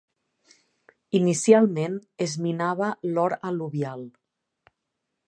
Inicialment es minava l'or al·luvial.